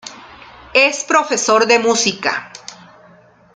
Es profesor de música.